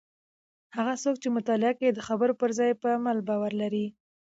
هغه څوک چې مطالعه کوي د خبرو پر ځای په عمل باور لري.